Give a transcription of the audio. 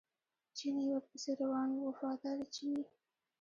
چیني ورپسې روان و وفاداره چیني.